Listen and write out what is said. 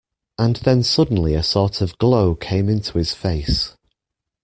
And then suddenly a sort of glow came into his face.